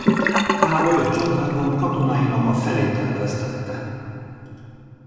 Károly a csatában katonáinak a felét elvesztette.